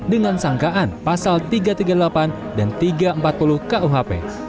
dengan sangkaan pasal tiga ratus tiga puluh delapan dan tiga ratus empat puluh kuhp